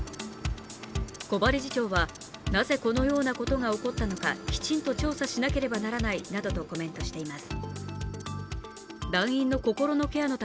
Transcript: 木場理事長は、なぜこのようなことが起こったのかきちんと調査しなければならないなどとコメントしています。